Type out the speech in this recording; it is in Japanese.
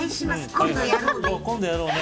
今度やろうね。